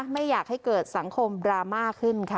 ไม่อยากให้เกิดสังคมดราม่าขึ้นค่ะ